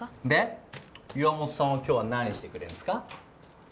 で岩本さんは今日は何してくれんすか？